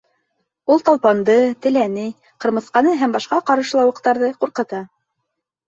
Ул талпанды, теләне, ҡырмыҫҡаны һәм башҡа ҡарышлауыҡтарҙы ҡурҡыта.